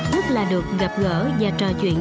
lúc là được gặp gỡ và trò chuyện